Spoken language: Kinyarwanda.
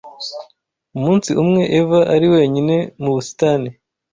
Umunsi umwe Eva ari wenyine mu busitani